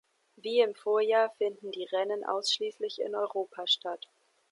Wie im Vorjahr finden die Rennen ausschließlich in Europa statt.